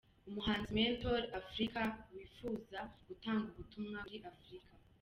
Umuhanzi Mentor Africa wifuza gutanga ubutumwa kuri Afurika.